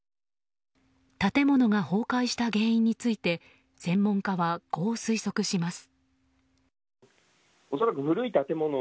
建物が崩壊した原因について専門家は、こう推測します。